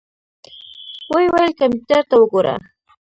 ويې ويل کمپيوټر ته وګوره.